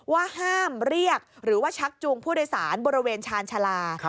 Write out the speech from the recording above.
ว่าห้ามเรียกหรือว่าชักจูงผู้โดยสารบริเวณชาญชาลา